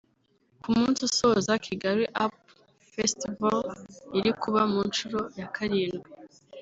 ku munsi usoza Kigali Up Festival iri kuba ku nshuro ya karindwi